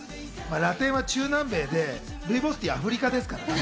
ラテンは中南米で、ルイボスティーはアフリカですからね。